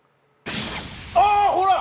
あーほら！